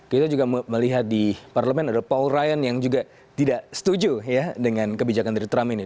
kita juga melihat di parlemen ada paul rrian yang juga tidak setuju ya dengan kebijakan dari trump ini